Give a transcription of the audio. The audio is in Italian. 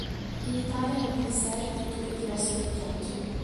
In Italia la miniserie ha avuto due diversi doppiaggi.